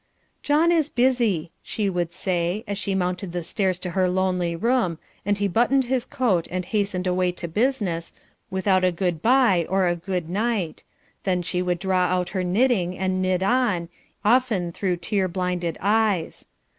"John is busy," she would say, as she mounted the stairs to her lonely room, and he buttoned his coat and hastened away to business, without a 'good bye' or a 'good night,' then she would draw out her knitting and knit on, often through tear blinded eyes.